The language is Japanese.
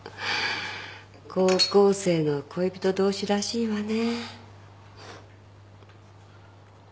高校生の恋人同士らしいわね。